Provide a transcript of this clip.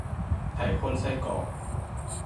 ไข่ข้นไส้กรอก